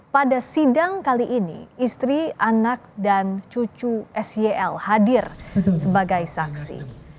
pada sidang kali ini istri anak dan cucu syl hadir sebagai saksi